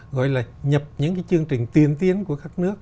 gọi là nhập những cái chương trình tiên tiến của các nước